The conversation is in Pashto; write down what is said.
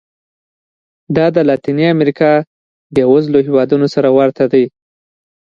دا د لاتینې امریکا بېوزلو هېوادونو سره ورته دي.